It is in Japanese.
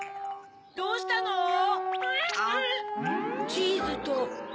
チーズと。